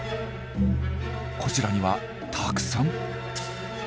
こちらにはたくさん。